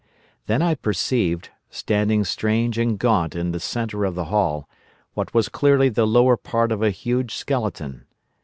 Then I perceived, standing strange and gaunt in the centre of the hall, what was clearly the lower part of a huge skeleton.